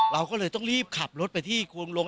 เราก็เลยต้องรีบขับรถไปที่ควงลง